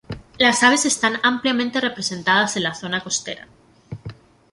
Las aves están ampliamente representadas en la zona costera.